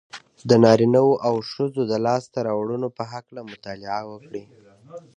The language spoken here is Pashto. د نارينهوو او ښځو د لاسته راوړنو په هکله مطالعه وکړئ.